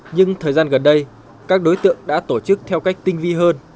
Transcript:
nhưng thời gian gần đây các đối tượng đã tổ chức theo cách tinh vi hơn